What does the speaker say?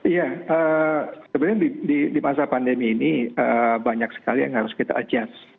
iya sebenarnya di masa pandemi ini banyak sekali yang harus kita adjust